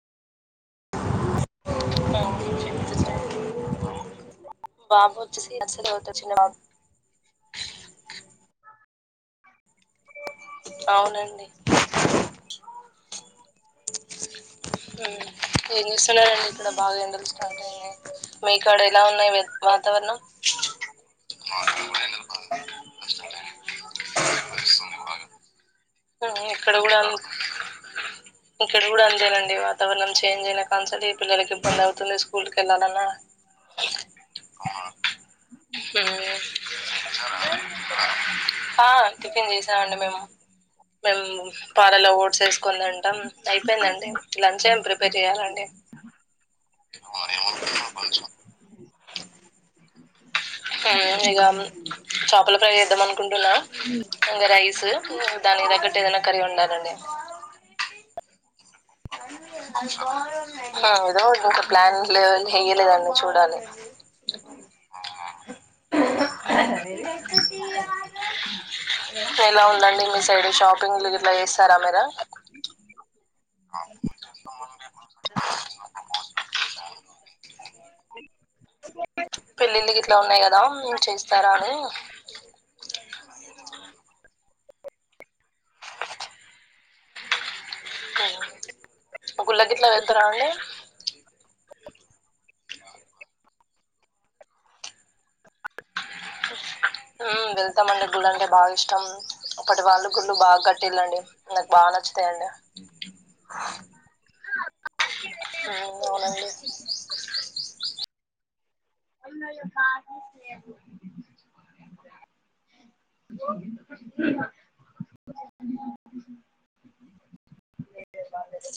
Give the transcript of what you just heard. [inaudible] బాబు వచ్చేసి [unintelligible] అవునండి. [inaudible] ఏం చూస్తున్నారండి ఇక్కడ బాగా ఎండలు స్టార్ట్ అయినాయి మీకాడ ఎలా ఉన్నాయి. వాతావరణం. [unintelligible] ఇక్కడ కూడా అందు. ఇక్కడ కూడా అందేనండి వాతావరణం చేంజ్ అయినా కా నుంచి ఈ పిల్లకి ఇబ్బందివు. పొద్దున్నే స్కూల్ కి వెళ్ళాలి అన్న హ్మ్. ఆ టిఫిన్ చేసామండి మేము మేము. పాలలా ఓట్స్ వేసుకొని తింటాం, అయిపోయిందండి లంచ్ ఏం ప్రిపేర్ చెయ్యాలండి. మరి ఏమి వండుతున్నారు లంచ్. [unintelligible] చాపల ఫ్రై చేద్దాం అనుకుంటున్నా, ఇగా రైస్ దానికి తగ్గట్టు ఏదైనా కర్రీ ఉండాలి. అండి. [inaudible] ఏదోటి ఇంక ప్లాన్ లే చేయలేదండి చూడాలి. ఎలా ఉందం డి మీ సైడు షాపింగ్లు గిట్ల చేస్తారా మీరు? మన [inaudible] పెళ్ళిళ్ళు గిట్ల ఉన్నాయి కదా చేస్తారా అని గుళ్లోగిట్లా వెళ్తరా అండి? [inaudible] [inaudible] ఉమ్ వెళ్తమండి, గుళ్ళు అంటే బాగా ఇష్టం, అప్పటి వాళ్ళు గుళ్ళు బాగా కట్టిళ్ళండి, నాకు బాగా నచ్చుతయండి ఉమ్ అవునండి. అ కా [inaudible] లేదు బాలేదు